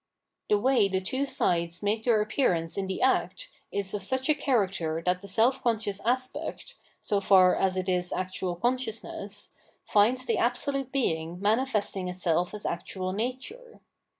The way the two sides make their appearance in the act is of such a character that the self conscious aspect, so far as it is actual consciousness, finds the absolute 727 The Abstract Work of Art Being manifesting itself as actual nature.